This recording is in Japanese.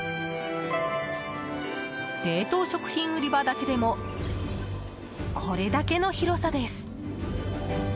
冷凍食品売り場だけでもこれだけの広さです。